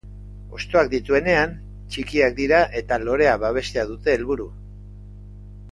Hostoak dituenean, txikiak dira eta lorea babestea dute helburu.